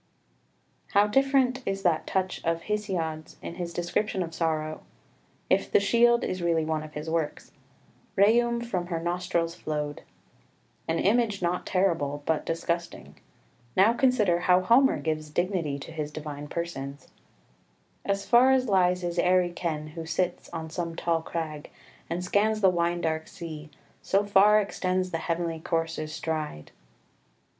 442.] 5 How different is that touch of Hesiod's in his description of sorrow if the Shield is really one of his works: "rheum from her nostrils flowed" an image not terrible, but disgusting. Now consider how Homer gives dignity to his divine persons "As far as lies his airy ken, who sits On some tall crag, and scans the wine dark sea: So far extends the heavenly coursers' stride."